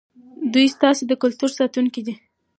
دوی ستاسې د کلتور ساتونکي دي.